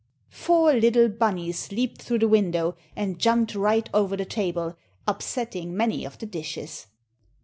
Four little Bunnies leaped through the window, and jumped right over the table, upsetting many of the dishes.